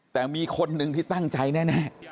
แต่มีคนหนึ่งที่ตั้งใจแน่